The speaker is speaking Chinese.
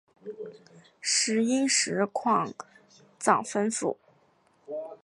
石英石矿藏丰富。